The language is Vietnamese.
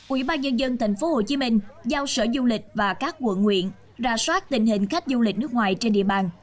ubnd tp hcm giao sở du lịch và các quận huyện ra soát tình hình khách du lịch nước ngoài trên địa bàn